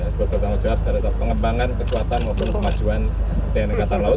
juga bertanggung jawab terhadap pengembangan kekuatan maupun kemajuan tni angkatan laut